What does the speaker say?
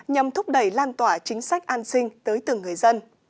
nhằm thúc đẩy lan tỏa chính sách an sinh tới từng người dân